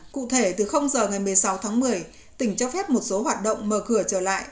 cụ thể từ giờ ngày một mươi sáu tháng một mươi tỉnh cho phép một số hoạt động mở cửa trở lại